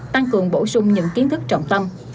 tăng cường bổ sung những kiến thức trọng tâm